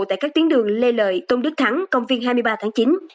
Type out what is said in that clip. tại các tuyến đường lê lợi tôn đức thắng công viên hai mươi ba tháng chín